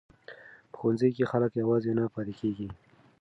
په ښوونځي کې خلک یوازې نه پاتې کیږي.